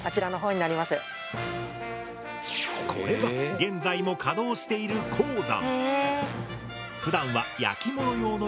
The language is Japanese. これが現在も稼働している鉱山。